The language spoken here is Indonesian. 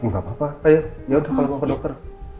gak apa apa ayo yaudah kalau mau ke dokter